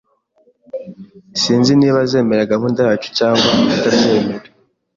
Sinzi niba azemera gahunda yacu cyangwa atabyemera